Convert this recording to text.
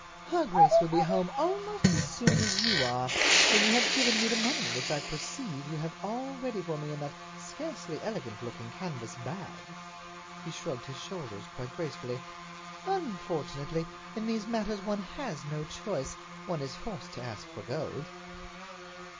"Her grace will be home almost as soon as you are—when you have given me the money which I perceive you have all ready for me in that scarcely elegant looking canvas bag." He shrugged his shoulders quite gracefully. "Unfortunately, in these matters one has no choice—one is forced to ask for gold."